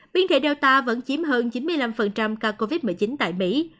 biến thể data vẫn chiếm hơn chín mươi năm ca covid một mươi chín tại mỹ